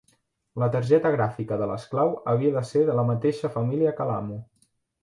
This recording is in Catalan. La targeta gràfica de l'esclau havia de ser de la mateixa família que l'amo.